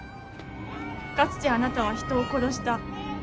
かつてあなたは人を殺した。